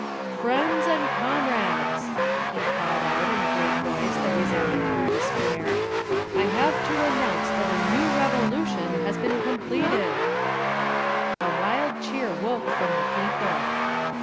"Friends and comrades!" he called out in a great voice that resounded through the square. "I have to announce that a New Revolution has been completed." A wild cheer woke from the people.